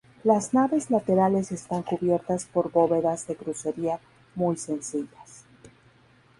Las naves laterales están cubiertas por bóvedas de crucería muy sencillas.